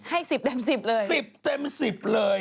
ให้สิบเต็มสิบเลยสิบเต็มสิบเลย